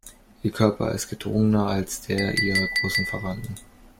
Ihr Körper ist gedrungener als der ihrer großen Verwandten.